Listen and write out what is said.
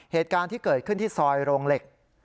เหตุการณ์ที่เกิดขึ้นที่ซอยโรงเหล็ก